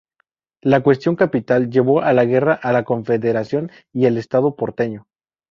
La "cuestión capital" llevó a la guerra a la Confederación y el Estado porteño.